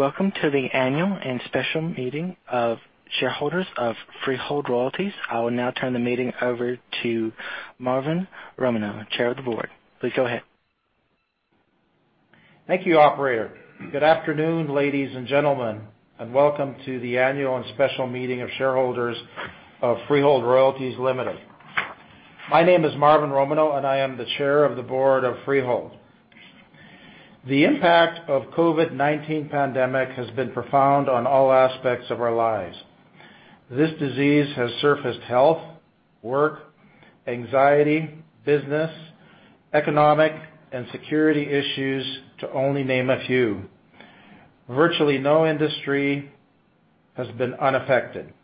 Welcome to the Annual and Special Meeting of Shareholders of Freehold Royalties. I will now turn the meeting over to Marvin Romanow, Chair of the Board. Please go ahead. Thank you, operator. Good afternoon, ladies and gentlemen, and welcome to the Annual and Special Meeting of Shareholders of Freehold Royalties Limited. My name is Marvin Romanow, and I am the Chair of the Board of Freehold. The impact of COVID-19 pandemic has been profound on all aspects of our lives. This disease has surfaced health, work, anxiety, business, economic, and security issues to only name a few. Virtually no industry has been unaffected.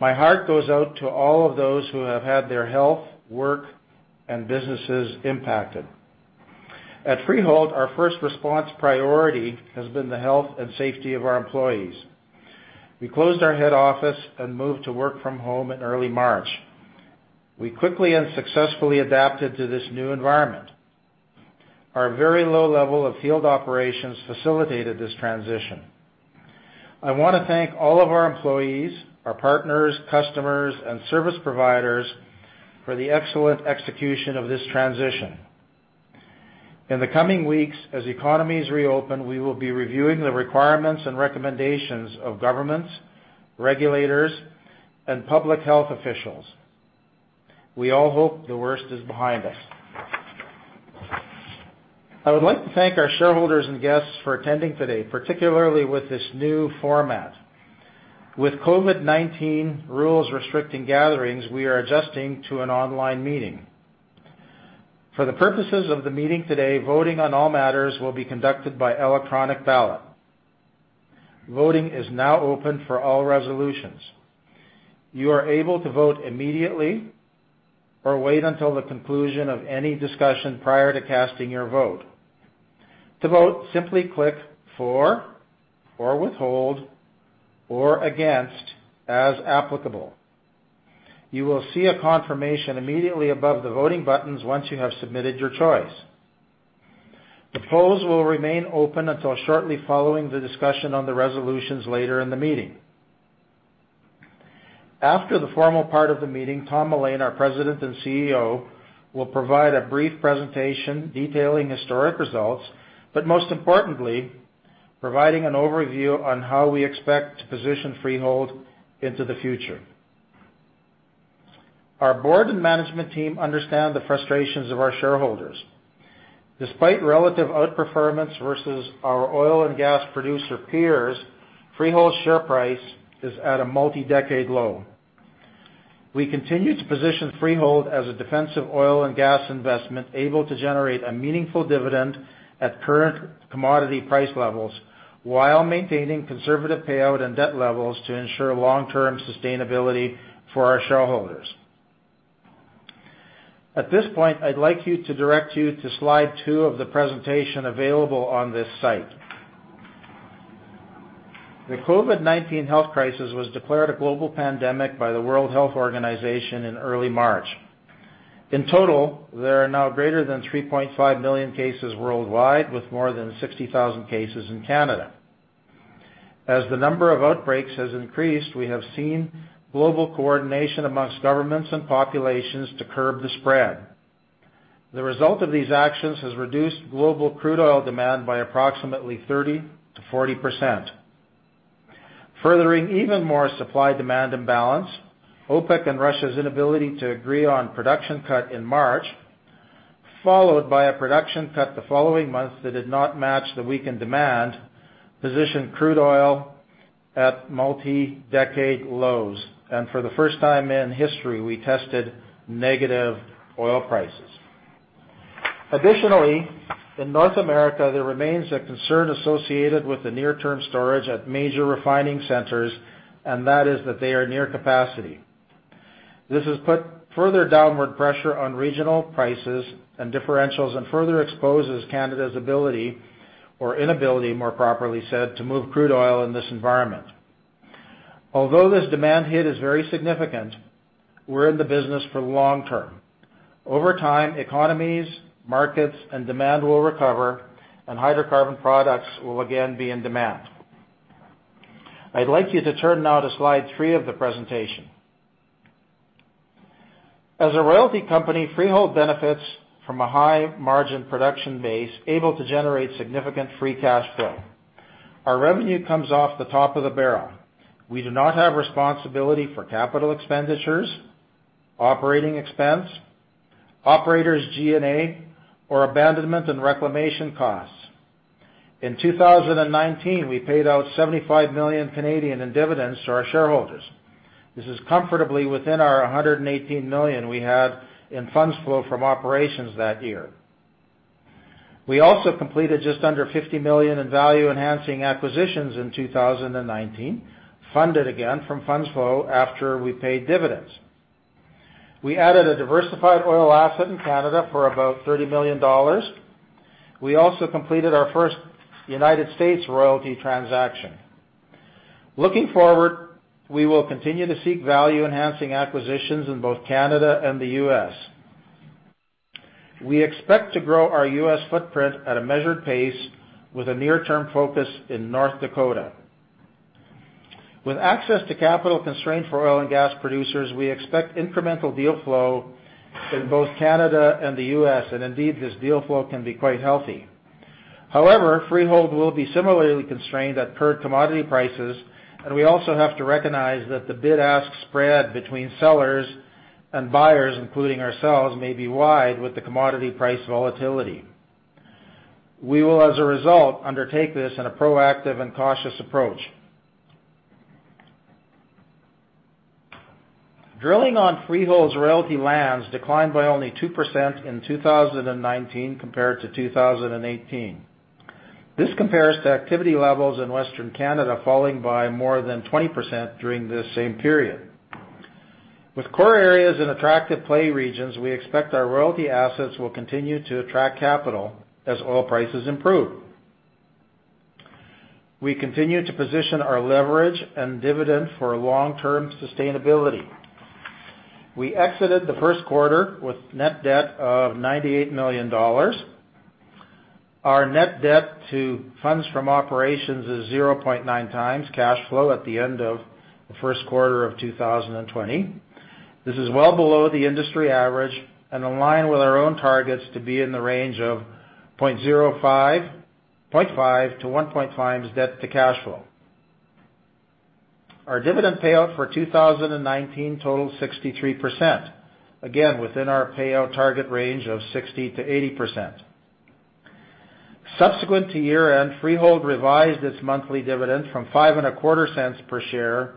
My heart goes out to all of those who have had their health, work, and businesses impacted. At Freehold, our first response priority has been the health and safety of our employees. We closed our head office and moved to work from home in early March. We quickly and successfully adapted to this new environment. Our very low level of field operations facilitated this transition. I want to thank all of our employees, our partners, customers, and service providers for the excellent execution of this transition. In the coming weeks, as economies reopen, we will be reviewing the requirements and recommendations of governments, regulators, and public health officials. We all hope the worst is behind us. I would like to thank our shareholders and guests for attending today, particularly with this new format. With COVID-19 rules restricting gatherings, we are adjusting to an online meeting. For the purposes of the meeting today, voting on all matters will be conducted by electronic ballot. Voting is now open for all resolutions. You are able to vote immediately or wait until the conclusion of any discussion prior to casting your vote. To vote, simply click for or withhold or against as applicable. You will see a confirmation immediately above the voting buttons once you have submitted your choice. The polls will remain open until shortly following the discussion on the resolutions later in the meeting. After the formal part of the meeting, Tom Mullane, our President and CEO, will provide a brief presentation detailing historic results, but most importantly, providing an overview on how we expect to position Freehold into the future. Our board and management team understand the frustrations of our shareholders. Despite relative outperformance versus our oil and gas producer peers, Freehold's share price is at a multi-decade low. We continue to position Freehold as a defensive oil and gas investment able to generate a meaningful dividend at current commodity price levels while maintaining conservative payout and debt levels to ensure long-term sustainability for our shareholders. At this point, I'd like to direct you to slide two of the presentation available on this site. The COVID-19 health crisis was declared a global pandemic by the World Health Organization in early March. In total, there are now greater than 3.5 million cases worldwide, with more than 60,000 cases in Canada. As the number of outbreaks has increased, we have seen global coordination among governments and populations to curb the spread. The result of these actions has reduced global crude oil demand by approximately 30%-40%. Furthering even more supply-demand imbalance, OPEC and Russia's inability to agree on production cut in March, followed by a production cut the following month that did not match the weakened demand, positioned crude oil at multi-decade lows. For the first time in history, we tested negative oil prices. Additionally, in North America, there remains a concern associated with the near-term storage at major refining centers, and that is that they are near capacity. This has put further downward pressure on regional prices and differentials and further exposes Canada's ability or inability, more properly said, to move crude oil in this environment. Although this demand hit is very significant, we're in the business for the long term. Over time, economies, markets, and demand will recover, and hydrocarbon products will again be in demand. I'd like you to turn now to slide three of the presentation. As a royalty company, Freehold benefits from a high margin production base able to generate significant free cash flow. Our revenue comes off the top of the barrel. We do not have responsibility for capital expenditures, operating expense, operators G&A or abandonment and reclamation costs. In 2019, we paid out 75 million in dividends to our shareholders. This is comfortably within our 118 million we had in funds flow from operations that year. We completed just under 50 million in value-enhancing acquisitions in 2019, funded again from funds flow after we paid dividends. We added a diversified oil asset in Canada for about 30 million dollars. We also completed our first United States royalty transaction. Looking forward, we will continue to seek value-enhancing acquisitions in both Canada and the U.S. We expect to grow our U.S. footprint at a measured pace with a near-term focus in North Dakota. With access to capital constraints for oil and gas producers, we expect incremental deal flow in both Canada and the U.S., and indeed, this deal flow can be quite healthy. However, Freehold will be similarly constrained at current commodity prices, and we also have to recognize that the bid-ask spread between sellers and buyers, including ourselves, may be wide with the commodity price volatility. We will, as a result, undertake this in a proactive and cautious approach. Drilling on Freehold's royalty lands declined by only 2% in 2019 compared to 2018. This compares to activity levels in Western Canada falling by more than 20% during this same period. With core areas in attractive play regions, we expect our royalty assets will continue to attract capital as oil prices improve. We continue to position our leverage and dividend for long-term sustainability. We exited the first quarter with net debt of 98 million dollars. Our net debt to funds from operations is 0.9x cash flow at the end of the first quarter of 2020. This is well below the industry average and in line with our own targets to be in the range of 0.5x-1.5x debt to cash flow. Our dividend payout for 2019 totaled 63%, again within our payout target range of 60%-80%. Subsequent to year-end, Freehold revised its monthly dividend from 0.0525 per share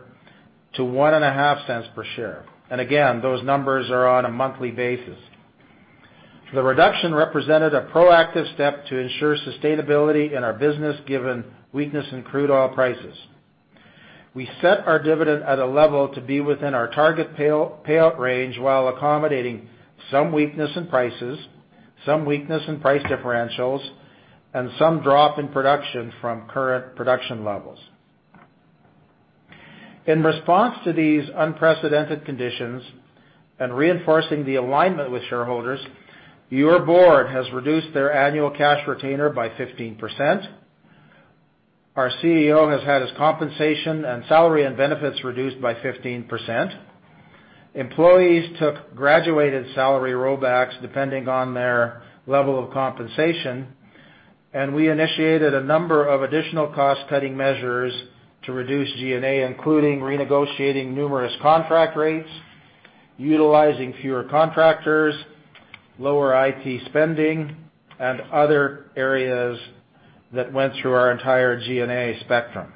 to 0.015 per share. Again, those numbers are on a monthly basis. The reduction represented a proactive step to ensure sustainability in our business given weakness in crude oil prices. We set our dividend at a level to be within our target payout range while accommodating some weakness in prices, some weakness in price differentials, and some drop in production from current production levels. In response to these unprecedented conditions and reinforcing the alignment with shareholders, your board has reduced their annual cash retainer by 15%. Our CEO has had his compensation and salary and benefits reduced by 15%. Employees took graduated salary rollbacks depending on their level of compensation, and we initiated a number of additional cost-cutting measures to reduce G&A, including renegotiating numerous contract rates, utilizing fewer contractors, lower IT spending, and other areas that went through our entire G&A spectrum.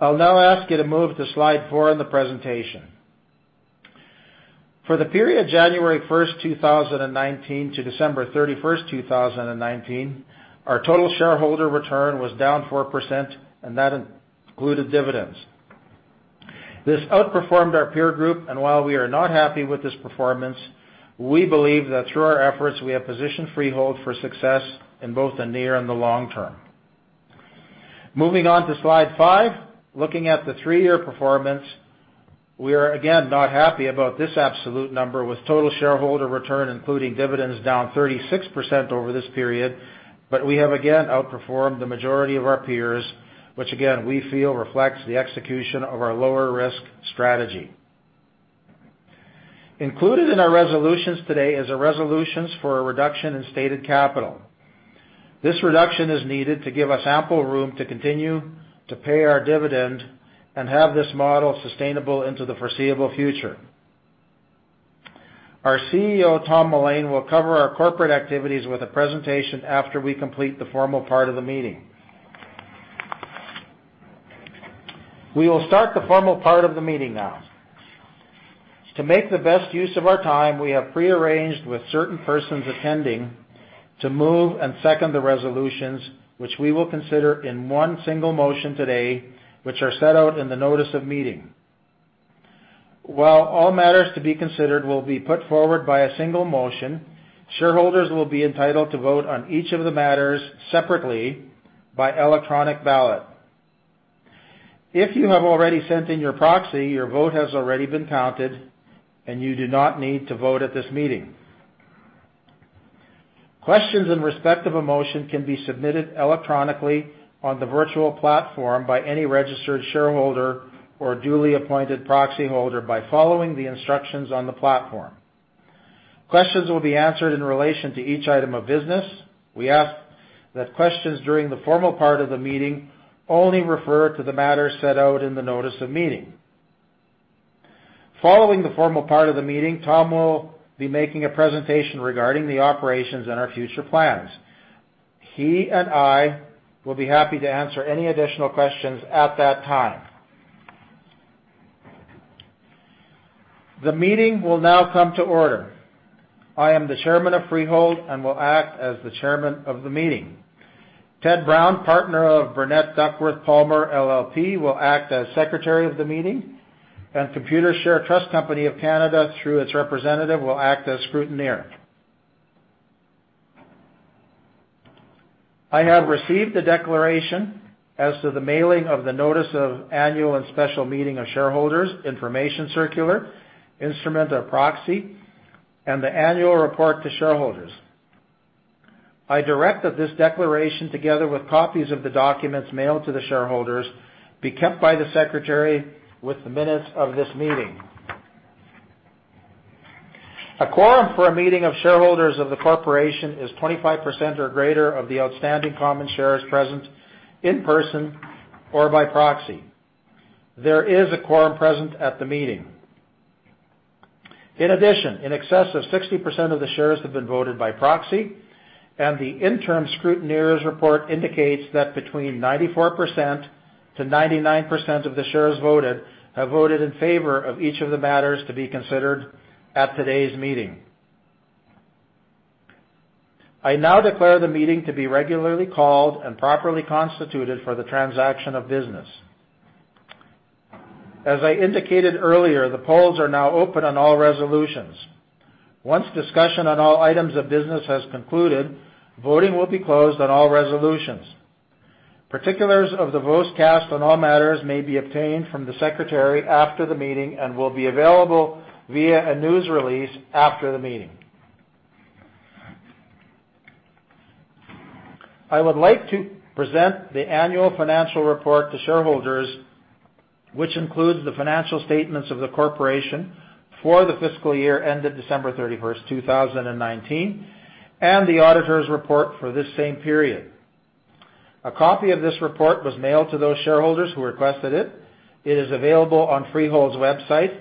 I'll now ask you to move to slide four in the presentation. For the period January 1st, 2019, to December 31st, 2019, our total shareholder return was down 4%, and that included dividends. This outperformed our peer group, and while we are not happy with this performance, we believe that through our efforts, we have positioned Freehold for success in both the near and the long term. Moving on to slide five. Looking at the three-year performance, we are again not happy about this absolute number with total shareholder return, including dividends down 36% over this period, but we have again outperformed the majority of our peers, which again, we feel reflects the execution of our lower risk strategy. Included in our resolutions today is a resolution for a reduction in stated capital. This reduction is needed to give us ample room to continue to pay our dividend and have this model sustainable into the foreseeable future. Our CEO, Tom Mullane, will cover our corporate activities with a presentation after we complete the formal part of the meeting. We will start the formal part of the meeting now. To make the best use of our time, we have pre-arranged with certain persons attending to move and second the resolutions which we will consider in one single motion today, which are set out in the notice of meeting. While all matters to be considered will be put forward via single motion, shareholders will be entitled to vote on each of the matters separately by electronic ballot. If you have already sent in your proxy, your vote has already been counted, and you do not need to vote at this meeting. Questions in respect of a motion can be submitted electronically on the virtual platform by any registered shareholder or duly appointed proxy holder by following the instructions on the platform. Questions will be answered in relation to each item of business. We ask that questions during the formal part of the meeting only refer to the matters set out in the notice of meeting. Following the formal part of the meeting, Tom will be making a presentation regarding the operations and our future plans. He and I will be happy to answer any additional questions at that time. The meeting will now come to order. I am the Chairman of Freehold and will act as the Chairman of the meeting. Ted Brown, Partner of Burnet, Duckworth & Palmer, LLP, will act as secretary of the meeting, and Computershare Trust Company of Canada, through its representative, will act as scrutineer. I have received the declaration as to the mailing of the notice of Annual and Special Meeting of Shareholders, information circular, instrument of proxy, and the annual report to shareholders. I direct that this declaration, together with copies of the documents mailed to the shareholders, be kept by the secretary with the minutes of this meeting. A quorum for a meeting of shareholders of the corporation is 25% or greater of the outstanding common shares present in person or by proxy. There is a quorum present at the meeting. In addition, in excess of 60% of the shares have been voted by proxy, and the interim scrutineer's report indicates that between 94%-99% of the shares voted have voted in favor of each of the matters to be considered at today's meeting. I now declare the meeting to be regularly called and properly constituted for the transaction of business. As I indicated earlier, the polls are now open on all resolutions. Once discussion on all items of business has concluded, voting will be closed on all resolutions. Particulars of the votes cast on all matters may be obtained from the secretary after the meeting and will be available via a news release after the meeting. I would like to present the annual financial report to shareholders, which includes the financial statements of the corporation for the fiscal year ended December 31st, 2019, and the auditor's report for this same period. A copy of this report was mailed to those shareholders who requested it. It is available on Freehold's website,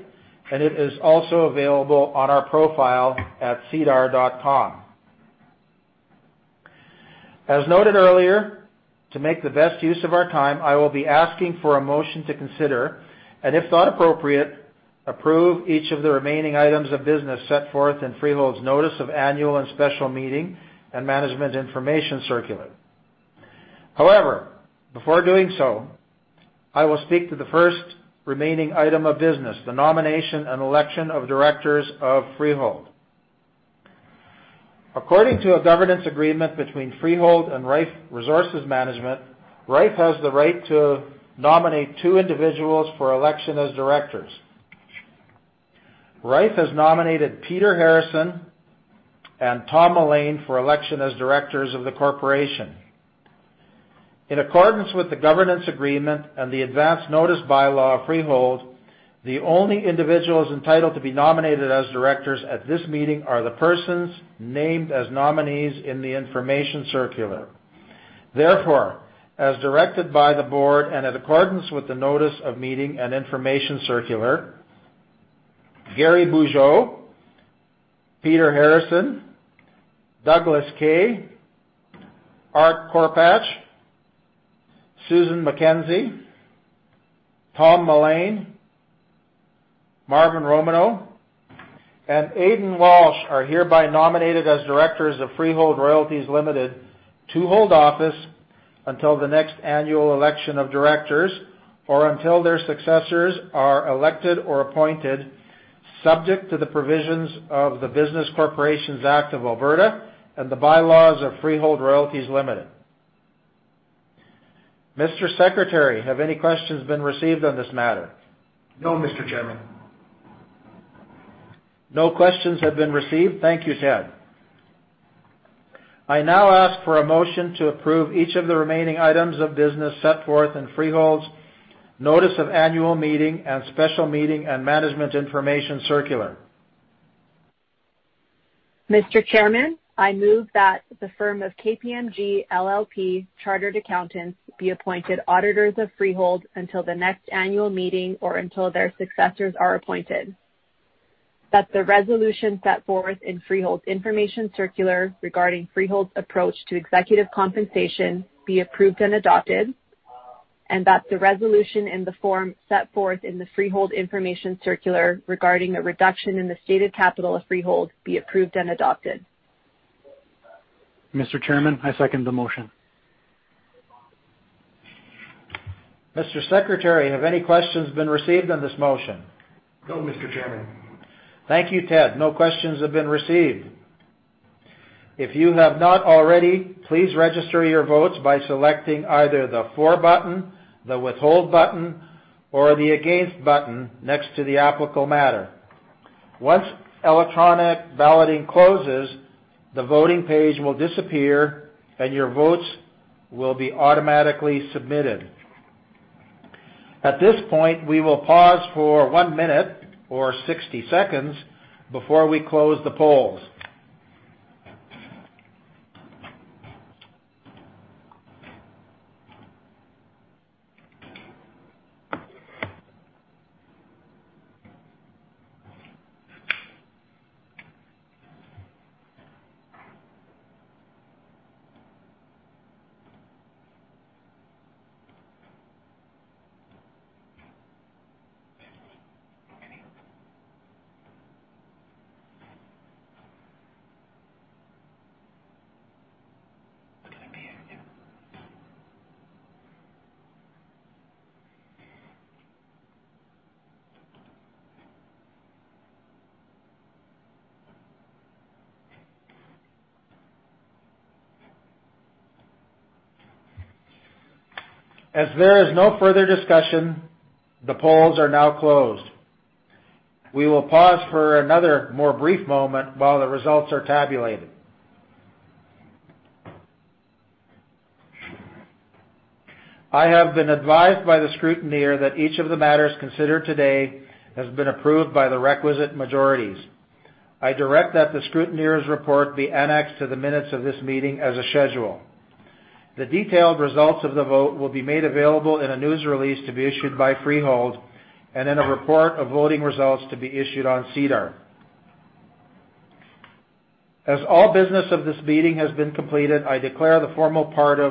and it is also available on our profile at sedar.com. As noted earlier, to make the best use of our time, I will be asking for a motion to consider, and if thought appropriate, approve each of the remaining items of business set forth in Freehold's notice of annual and special meeting and management information circular. However, before doing so, I will speak to the first remaining item of business, the nomination and election of directors of Freehold. According to a governance agreement between Freehold and Rife Resources Management, Rife has the right to nominate two individuals for election as directors. Rife has nominated Peter Harrison and Tom Mullane for election as directors of the corporation. In accordance with the governance agreement and the advance notice bylaw of Freehold, the only individuals entitled to be nominated as directors at this meeting are the persons named as nominees in the information circular. Therefore, as directed by the board and in accordance with the notice of meeting and information circular, Gary Bugeaud, Peter Harrison, Douglas Kay, Art Korpach, Susan MacKenzie, Tom Mullane, Marvin Romanow, and Aidan Walsh are hereby nominated as directors of Freehold Royalties Limited to hold office until the next annual election of directors or until their successors are elected or appointed, subject to the provisions of the Business Corporations Act of Alberta and the bylaws of Freehold Royalties Limited. Mr. Secretary, have any questions been received on this matter? No, Mr. Chairman. No questions have been received. Thank you, Ted. I now ask for a motion to approve each of the remaining items of business set forth in Freehold's notice of annual meeting and special meeting and management information circular. Mr. Chairman, I move that the firm of KPMG LLP Chartered Accountants be appointed auditors of Freehold until the next annual meeting or until their successors are appointed, that the resolution set forth in Freehold's information circular regarding Freehold's approach to executive compensation be approved and adopted, and that the resolution in the form set forth in the Freehold information circular regarding the reduction in the stated capital of Freehold be approved and adopted. Mr. Chairman, I second the motion. Mr. Secretary, have any questions been received on this motion? No, Mr. Chairman. Thank you, Ted. No questions have been received. If you have not already, please register your votes by selecting either the For button, the Withhold button, or the Against button next to the applicable matter. Once electronic balloting closes, the voting page will disappear, and your votes will be automatically submitted. At this point, we will pause for one minute or 60 seconds before we close the polls. As there is no further discussion, the polls are now closed. We will pause for another more brief moment while the results are tabulated. I have been advised by the scrutineer that each of the matters considered today has been approved by the requisite majorities. I direct that the scrutineer's report be annexed to the minutes of this meeting as a schedule. The detailed results of the vote will be made available in a news release to be issued by Freehold and in a report of voting results to be issued on SEDAR. As all business of this meeting has been completed, I declare the formal portion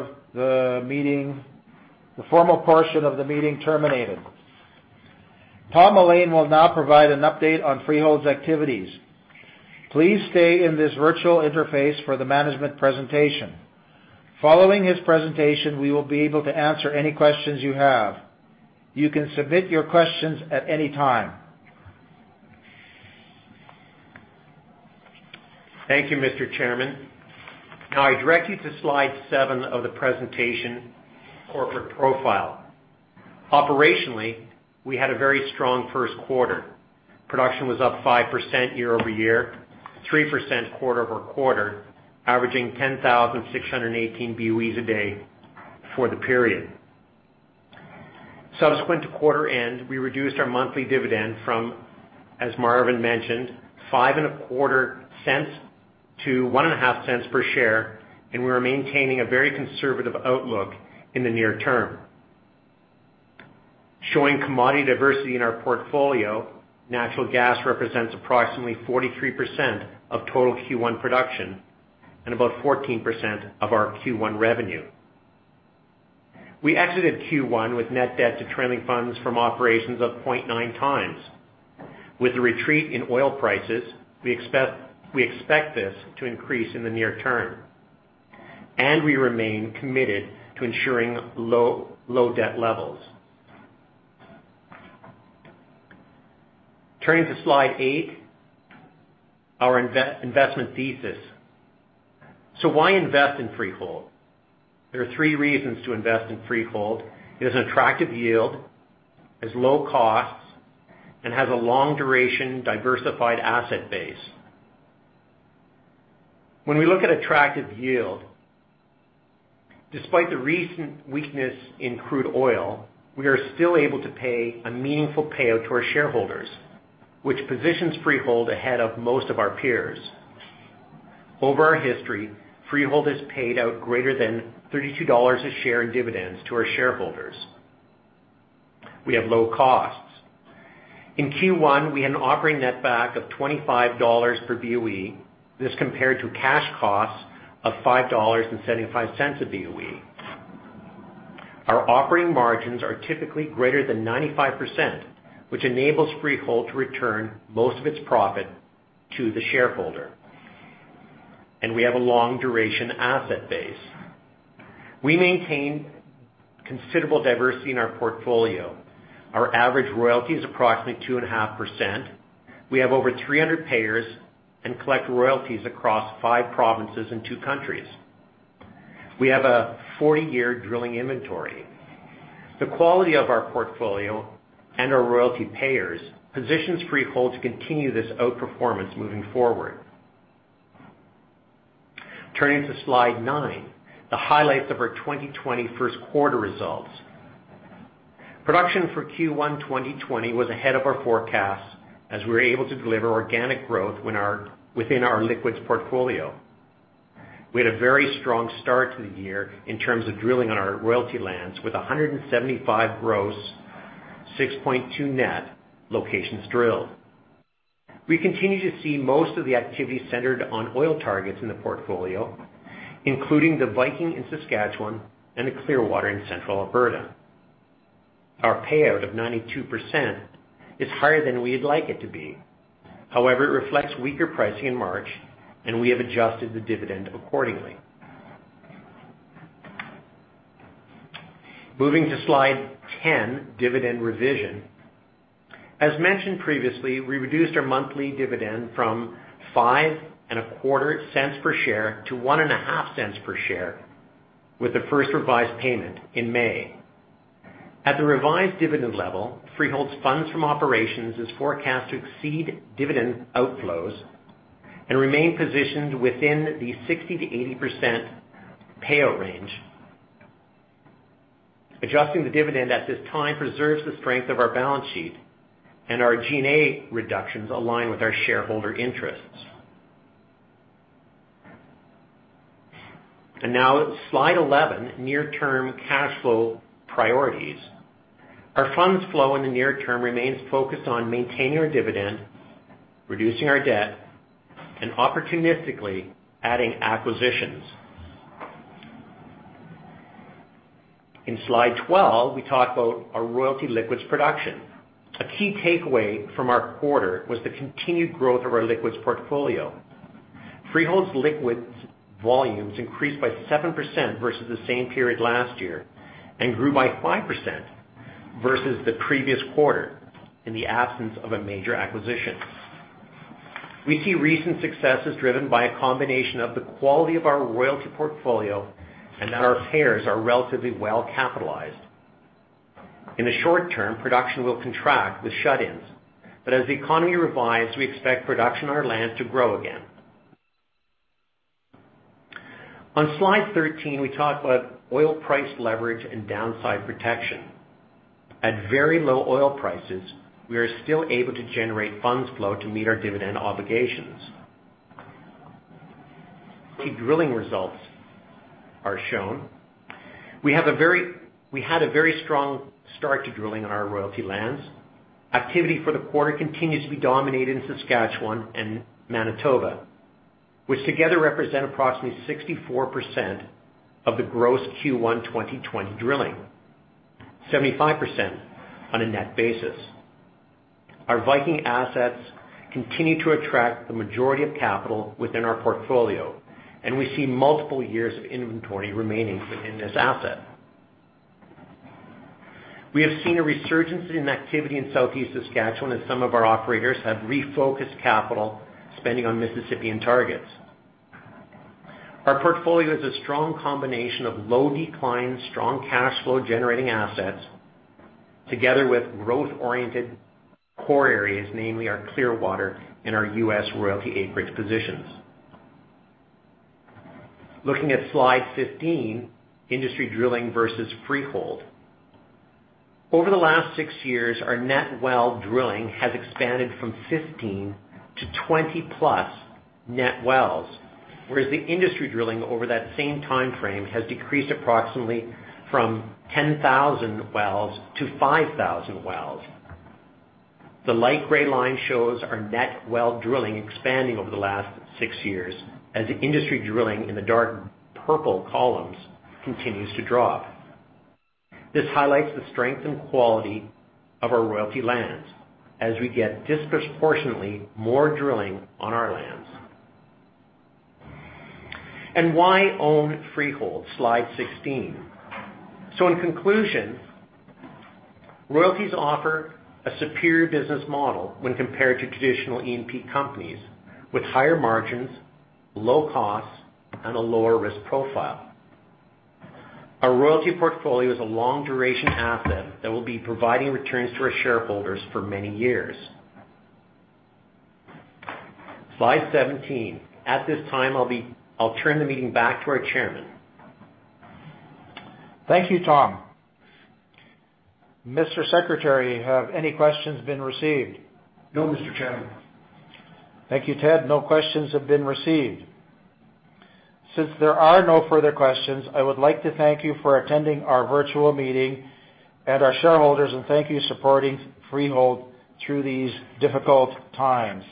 of the meeting terminated. Tom Mullane will now provide an update on Freehold's activities. Please stay in this virtual interface for the management presentation. Following his presentation, we will be able to answer any questions you have. You can submit your questions at any time. Thank you, Mr. Chairman. Now I direct you to slide 7seven of the presentation, corporate profile. Operationally, we had a very strong first quarter. Production was up 5% year-over-year, 3% quarter-over-quarter, averaging 10,618 BOEs a day for the period. Subsequent to quarter end, we reduced our monthly dividend from, as Marvin mentioned, 0.0525-0.015 per share, and we're maintaining a very conservative outlook in the near term. Showing commodity diversity in our portfolio, natural gas represents approximately 43% of total Q1 production and about 14% of our Q1 revenue. We exited Q1 with net debt to trailing funds from operations of 0.9x. With the retreat in oil prices, we expect this to increase in the near term, and we remain committed to ensuring low debt levels. Turning to slide eight, our investment thesis. Why invest in Freehold? There are three reasons to invest in Freehold. It has an attractive yield, has low costs, and has a long-duration, diversified asset base. When we look at attractive yield, despite the recent weakness in crude oil, we are still able to pay a meaningful payout to our shareholders, which positions Freehold ahead of most of our peers. Over our history, Freehold has paid out greater than 32 dollars a share in dividends to our shareholders. We have low costs. In Q1, we had an operating netback of 25 dollars per BOE. This compared to cash costs of 5.75 dollars a BOE. Our operating margins are typically greater than 95%, which enables Freehold to return most of its profit to the shareholder. We have a long-duration asset base. We maintain considerable diversity in our portfolio. Our average royalty is approximately 2.5%. We have over 300 payers and collect royalties across five provinces and two countries. We have a 40-year drilling inventory. The quality of our portfolio and our royalty payers positions Freehold to continue this outperformance moving forward. Turning to slide nine, the highlights of our 2020 first quarter results. Production for Q1 2020 was ahead of our forecast as we were able to deliver organic growth within our liquids portfolio. We had a very strong start to the year in terms of drilling on our royalty lands with 175 gross, 6.2 net locations drilled. We continue to see most of the activity centered on oil targets in the portfolio, including the Viking in Saskatchewan and the Clearwater in Central Alberta. Our payout of 92% is higher than we'd like it to be. However, it reflects weaker pricing in March, and we have adjusted the dividend accordingly. Moving to slide 10, dividend revision. As mentioned previously, we reduced our monthly dividend from 0.0525 per share to 0.015 per share with the first revised payment in May. At the revised dividend level, Freehold's funds from operations is forecast to exceed dividend outflows and remain positioned within the 60%-80% payout range. Adjusting the dividend at this time preserves the strength of our balance sheet, and our G&A reductions align with our shareholder interests. Now slide 11, near-term cash flow priorities. Our funds flow in the near term remains focused on maintaining our dividend, reducing our debt, and opportunistically adding acquisitions. In slide 12, we talk about our royalty liquids production. A key takeaway from our quarter was the continued growth of our liquids portfolio. Freehold's liquids volumes increased by 7% versus the same period last year, and grew by 5% versus the previous quarter in the absence of a major acquisition. We see recent successes driven by a combination of the quality of our royalty portfolio and that our payers are relatively well-capitalized. In the short term, production will contract with shut-ins. As the economy revives, we expect production on our land to grow again. On slide 13, we talk about oil price leverage and downside protection. At very low oil prices, we are still able to generate funds flow to meet our dividend obligations. The drilling results are shown. We had a very strong start to drilling on our royalty lands. Activity for the quarter continues to be dominated in Saskatchewan and Manitoba, which together represent approximately 64% of the gross Q1 2020 drilling, 75% on a net basis. Our Viking assets continue to attract the majority of capital within our portfolio, and we see multiple years of inventory remaining in this asset. We have seen a resurgence in activity in southeast Saskatchewan as some of our operators have refocused capital spending on Mississippian targets. Our portfolio is a strong combination of low decline, strong cash flow generating assets, together with growth-oriented core areas, namely our Clearwater and our U.S. royalty acreage positions. Looking at slide 15, industry drilling versus Freehold. Over the last six years, our net well drilling has expanded from 15-20+ net wells, whereas the industry drilling over that same timeframe has decreased approximately from 10,000-5,000 wells. The light gray line shows our net well drilling expanding over the last six years, as industry drilling in the dark purple columns continues to drop. This highlights the strength and quality of our royalty lands as we get disproportionately more drilling on our lands. Why own Freehold? Slide 16. In conclusion, royalties offer a superior business model when compared to traditional E&P companies, with higher margins, low costs, and a lower risk profile. Our royalty portfolio is a long duration asset that will be providing returns to our shareholders for many years. Slide 17. At this time, I'll turn the meeting back to our chairman. Thank you, Tom. Mr. Secretary, have any questions been received? No, Mr. Chairman. Thank you, Ted. No questions have been received. Since there are no further questions, I would like to thank you for attending our virtual meeting and our shareholders, and thank you for supporting Freehold through these difficult times.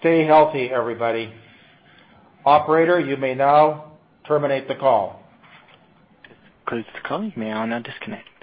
Stay healthy, everybody. Operator, you may now terminate the call. This concludes the call. You may now disconnect.